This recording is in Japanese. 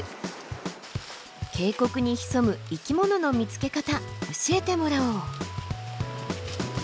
渓谷に潜む生き物の見つけ方教えてもらおう！